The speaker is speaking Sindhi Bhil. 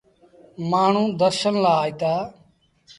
مآݩهون درشن لآ آئيٚتآ۔